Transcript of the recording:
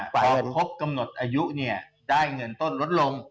ต่อคบกำหนดอายุเนี่ยได้เงินต้นลดลง